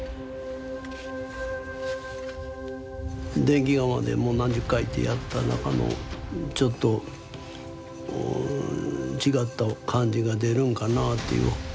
電気窯でもう何十回ってやった中のちょっと違った感じが出るんかなっていう。